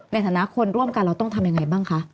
ในฐานะคนร่วมกันเราต้องทำยังไงบ้างคะ